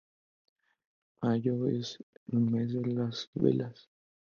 Mayo es el mes de las velas.